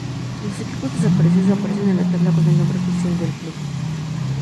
Los equipos desaparecidos aparecen en la tabla con el nombre oficial del club.